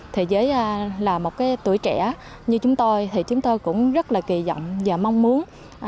thì với là một cái tuổi trẻ như chúng tôi thì chúng tôi cũng rất là kỳ vọng và mong muốn